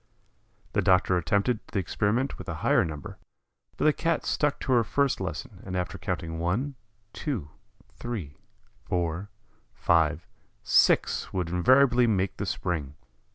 The doctor attempted the experiment with a higher number, but the Cat stuck to her first lesson and after counting one, two, three, four, five, six, would invariably make the spring.